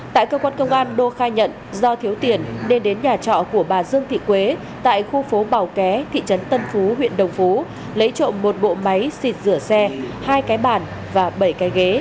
tại cơ quan công an đô khai nhận do thiếu tiền nên đến nhà trọ của bà dương thị quế tại khu phố bảo ké thị trấn tân phú huyện đồng phú lấy trộm một bộ máy xịt rửa xe hai cái bàn và bảy cái ghế